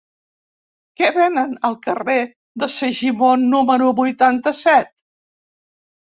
Què venen al carrer de Segimon número vuitanta-set?